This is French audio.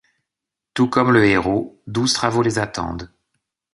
Tout comme le héros, douze travaux les attendent.